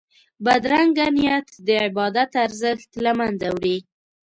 بدرنګه نیت د عبادت ارزښت له منځه وړي